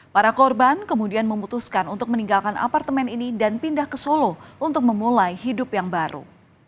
para korban kemudian memutuskan untuk meninggalkan apartemen ini dan pindah ke solo untuk memulai hidup yang baru